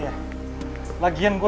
componennya sink ya sudah